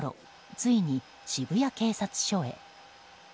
ついに渋谷警察署へ。